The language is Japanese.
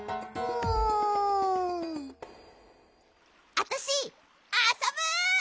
あたしあそぶ！